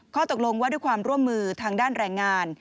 ข้อตกลงว่าด้วยความร่วมมือทางด้านแรงงาน